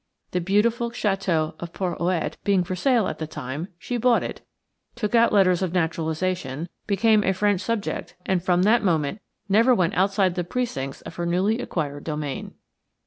The beautiful château of Porhoët being for sale at the time, she bought it, took out letters of naturalization, became a French subject, and from that moment never went outside the precincts of her newly acquired domain.